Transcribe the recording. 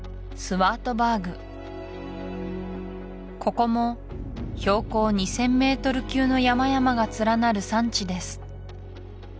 スワートバーグここも標高２０００ｍ級の山々が連なる山地です